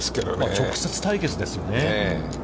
直接対決ですよね。